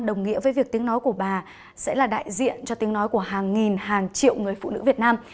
đồng nghĩa với việc tiếng nói của bà sẽ là đại diện cho tiếng nói của hàng nghìn hàng triệu người phụ nữ việt nam